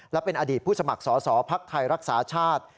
และเป็นอดีตผู้สมัครสอสอภักดิ์ไทยรักษาชาติ